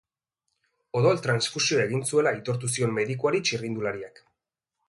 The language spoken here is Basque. Odol-transfusioa egin zuela aitortu zion medikuari txirrindulariak.